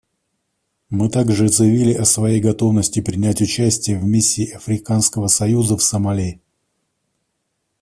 Мы также заявили о своей готовности принять участие в Миссии Африканского союза в Сомали.